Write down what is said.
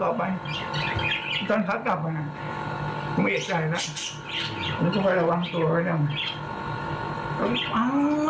ผมก็ค่อยระวังตัวไว้นั่งแล้วก็พังมาถึงตรงนี้